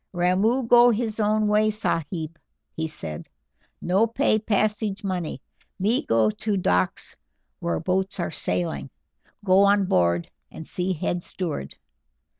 "Ramoo go his own way, sahib," he said. "No pay passage money; me go to docks where boats are sailing, go on board and see head steward.